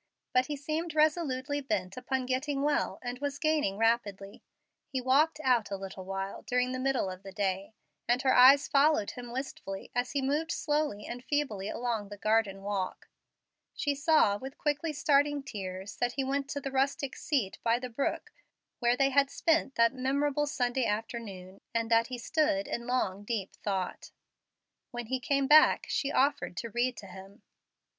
But he seemed resolutely bent upon getting well, and was gaining rapidly. He walked out a little while during the middle of the day, and her eyes followed him wistfully as he moved slowly and feebly along the garden walk. She saw, with quickly starting tears, that he went to the rustic seat by the brook where they had spent that memorable Sunday afternoon, and that he stood in long, deep thought. When he came back she offered to read to him.